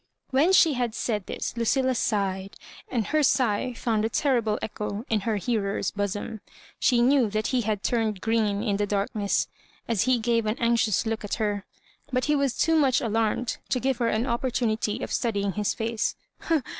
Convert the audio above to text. When she had said this Lucilla sighed, and her sigh found a terrible echo in her hearer's bosom. She knew that he turned green in the darkness as he gave an anxious look at her. But be was too much alarmed to give her an opportunity of studying his face.